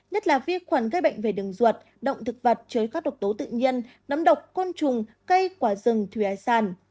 nhất là vi khuẩn gây bệnh về đường ruột động thực vật chơi các độc tố tự nhiên nấm độc côn trùng cây quả rừng thủy ái sàn